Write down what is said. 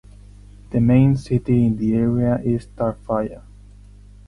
The main city in the area is Tarfaya.